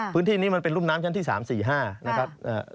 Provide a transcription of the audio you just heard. พื้นที่นี้มันเป็นรุ่มน้ำชั้นที่๓๔๕นะครับ